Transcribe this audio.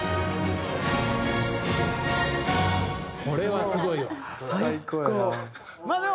これはすごいわ。